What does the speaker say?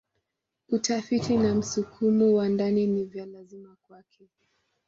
Utafiti na msukumo wa ndani ni vya lazima kwake.